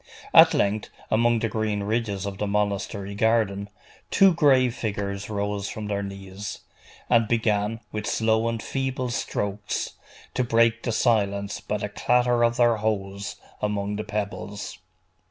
At length, among the green ridges of the monastery garden, two gray figures rose from their knees, and began, with slow and feeble strokes, to break the silence by the clatter of their hoes among the pebbles.